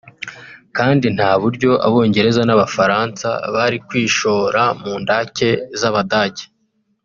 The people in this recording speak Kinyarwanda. kandi nta buryo Abongereza n’Abafaransa bari kwishora mu ndake z’Abadage